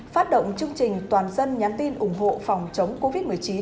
phát động chương trình toàn dân nhắn tin ủng hộ phòng chống covid một mươi chín